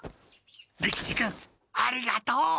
利吉君ありがとう！